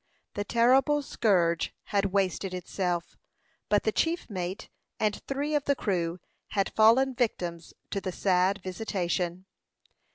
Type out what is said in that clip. The terrible scourge had wasted itself; but the chief mate and three of the crew had fallen victims to the sad visitation.